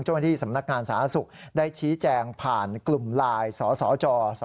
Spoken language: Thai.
เจ้าบริธีสำนักการณ์สหรัฐสุขได้ชี้แจงผ่านกลุ่มไลน์สสจ